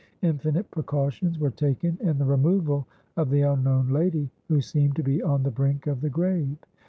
Infinite precautions were taken in the removal of the unknown lady, who seemed to be on the brink of the grave.